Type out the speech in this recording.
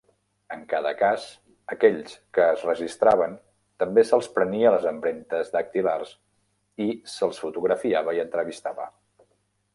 En cada cas, aquells que es registraven també se'ls prenia les empremtes dactilars, i se'ls fotografiava i entrevistava.